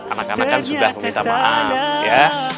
anak anak kan sudah meminta maaf ya